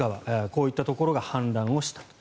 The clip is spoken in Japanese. こういったところが氾濫したと。